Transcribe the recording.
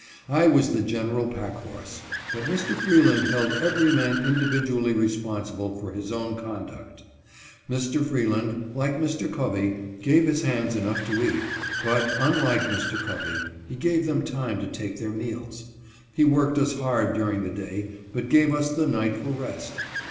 I was the general pack horse ; but Mr. Freeland held every man individ ually responsible for his own conduct. Mr. Freeland, like Mr. Covey, gave his hands enough to eat, but, unlike Mr. Covey, he gave them time to take their meals. He worked us hard during the day, but gave us the night for rest.